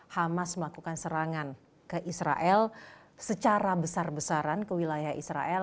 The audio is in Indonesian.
hamas melakukan serangan ke israel secara besar besaran ke wilayah israel